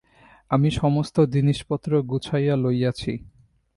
আমি সমস্ত জিনিসপত্র গুছাইয়া লইয়াছি।